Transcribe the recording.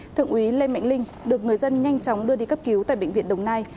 thượng úy lê mạnh linh được người dân nhanh chóng đưa đi cấp cứu tại bệnh viện đồng nai